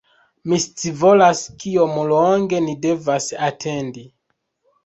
Mi scivolas kiom longe ni devas atendi